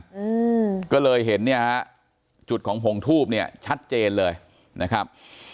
อืมก็เลยเห็นเนี่ยฮะจุดของผงทูบเนี่ยชัดเจนเลยนะครับ